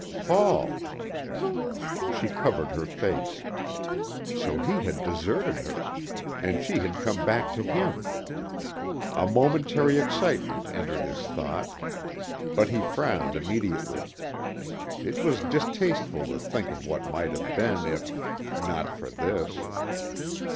"Paul." She covered her face. So he had deserted her. And she had come back to him. A momentary excitement entered his thought. But he frowned immediately. It was distasteful to think of what might have been if ... not for this.